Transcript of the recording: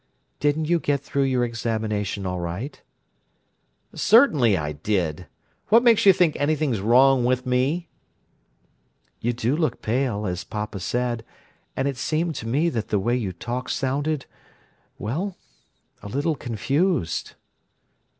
Didn't you get though your examination all right?" "Certainly I did. What makes you think anything's 'wrong' with me?" "You do look pale, as papa said, and it seemed to me that the way you talked sounded—well, a little confused."